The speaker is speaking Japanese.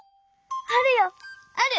あるよある！